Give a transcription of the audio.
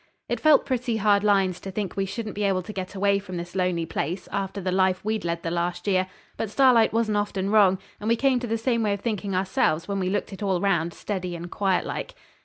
It felt pretty hard lines to think we shouldn't be able to get away from this lonely place after the life we'd led the last year; but Starlight wasn't often wrong, and we came to the same way of thinking ourselves when we looked at it all round, steady and quiet like.